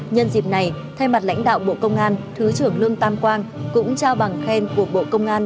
nhân dịp này thay mặt lãnh đạo bộ công an thứ trưởng lương tam quang cũng trao bằng khen của bộ công an